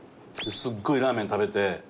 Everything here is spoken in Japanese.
すっごいラーメン食べて。